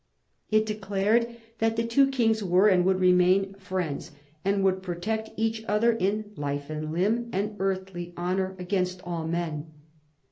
It declared that the two kings were, and would remain, friends, and would protect each other in life and limb and earthly honour against all men.